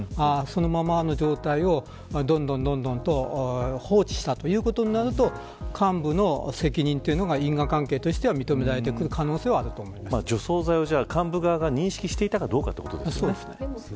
そしてそのままの状態を放置したということになると幹部の責任ということが因果関係として除草剤を幹部側が認識していたかということですね。